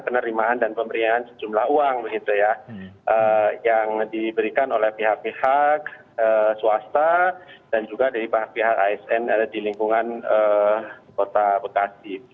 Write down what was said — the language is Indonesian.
penerimaan dan pemberian sejumlah uang begitu ya yang diberikan oleh pihak pihak swasta dan juga dari pihak asn di lingkungan kota bekasi